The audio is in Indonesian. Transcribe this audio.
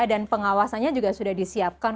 dan pengawasannya juga sudah disiapkan